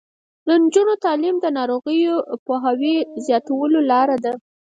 د نجونو تعلیم د ناروغیو پوهاوي زیاتولو لاره ده.